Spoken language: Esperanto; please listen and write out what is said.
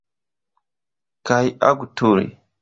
Kaj agu tuj.